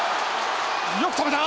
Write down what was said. よく止めた！